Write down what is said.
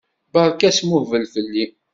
Berka asmuhbel fell-i!